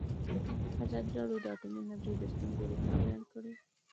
ازادي راډیو د اټومي انرژي د ستونزو رېښه بیان کړې.